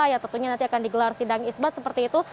yang tentunya nanti akan digelar sindang isbat seperti itu